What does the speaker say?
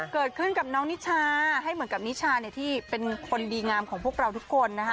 เกิดขึ้นกับน้องนิชาให้เหมือนกับนิชาที่เป็นคนดีงามของพวกเราทุกคนนะคะ